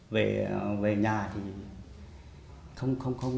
với anh anh anh anh nhi ở bên trong trường bình tư pháp